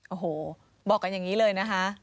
โอ้โหบอกกันอย่างนี้เลยนะคะ